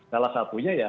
salah satunya ya